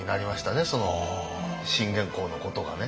信玄公のことがね。